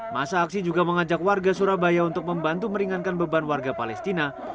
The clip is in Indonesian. masa aksi juga mengajak warga surabaya untuk membantu meringankan beban warga palestina